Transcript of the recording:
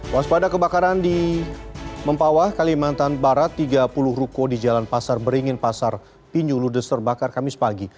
waspada kebakaran di mempawah kalimantan barat tiga puluh ruko di jalan pasar beringin pasar pinju ludes terbakar kamis pagi